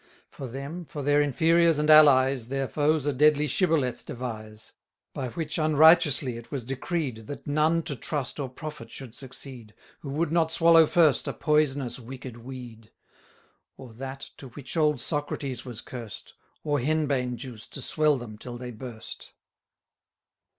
For them, for their inferiors and allies, Their foes a deadly Shibboleth devise: By which unrighteously it was decreed, That none to trust or profit should succeed, Who would not swallow first a poisonous wicked weed: 1080 Or that, to which old Socrates was cursed, Or henbane juice to swell them till they burst.